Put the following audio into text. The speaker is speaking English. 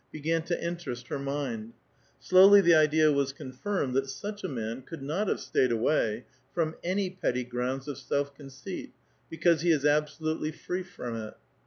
began to interest her mind. Slowlv the idea was confirmed that such a man could not have stayed awa^' from any petty grounds of self conceit, because he is absolutely free from it.